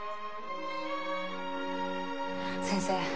先生